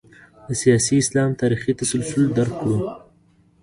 د سیاسي اسلام تاریخي تسلسل درک کړو.